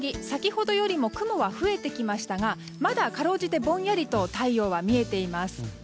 先ほどよりも雲は増えてきましたがまだ、かろうじてぼんやりと太陽は見えています。